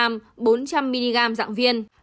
monopidavir hai trăm linh mg bốn trăm linh mg dạng viên